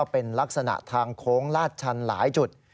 เป็นลักษณะทางโค้งลาดชันหลายจุด